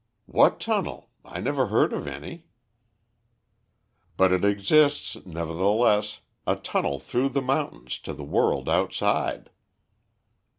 "What tunnel? I never heard of any." "But it exists, nevertheless; a tunnel through the mountains to the world outside."